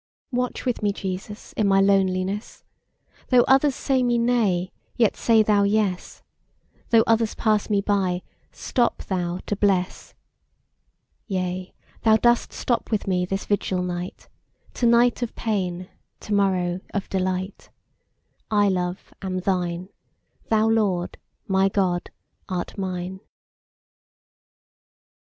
Watch with me, Jesus, in my loneliness: Though others say me nay, yet say Thou yes; Though others pass me by, stop Thou to bless. Yea, Thou dost stop with me this vigil night; To night of pain, to morrow of delight: I, Love, am Thine; Thou, Lord, my God, art mine.